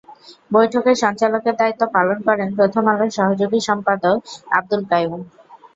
বৈঠকে সঞ্চালকের দায়িত্ব পালন করেন প্রথম আলোর সহযোগী সম্পাদক আব্দুল কাইয়ুম।